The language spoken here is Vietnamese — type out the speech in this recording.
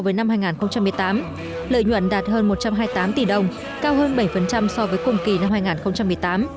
lợi nhuận đạt hơn một trăm hai mươi tám tỷ đồng cao hơn bảy so với cùng kỳ năm hai nghìn một mươi tám